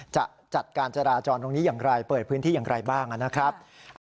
จะจัดการจราจรตรงนี้อย่างไรเปิดพื้นที่อย่างไรบ้างนะครับ